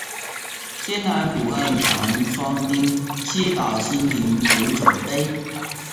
艰难苦恨繁霜鬓，潦倒新停浊酒杯